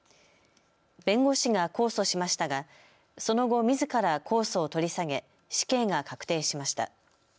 弁護士が控訴しましたがその後、みずから控訴を取り下げ死刑が確定しました。